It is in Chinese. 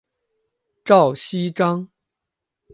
赵锡章。